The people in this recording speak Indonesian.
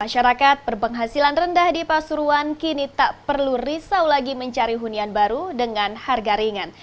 masyarakat berpenghasilan rendah di pasuruan kini tak perlu risau lagi mencari hunian baru dengan harga ringan